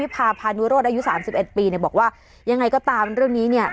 พาพานุโรธอายุ๓๑ปีเนี่ยบอกว่ายังไงก็ตามเรื่องนี้เนี่ย